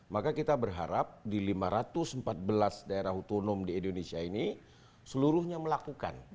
maka kita berharap di lima ratus empat belas daerah otonom di indonesia ini seluruhnya melakukan